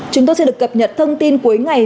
chúng tôi sẽ được cập nhật thông tin cuối ngày